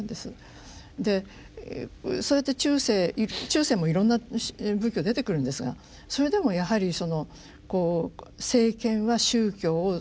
でそうやって中世もいろんな仏教出てくるんですがそれでもやはりそのこう政権は宗教を使い続ける。